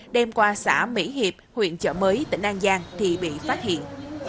đem qua xã mỹ hiệp huyện chợ mới tỉnh an giang thì bị phát hiện